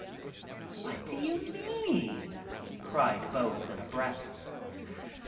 ^ "What DO you mean," cried both in a breath.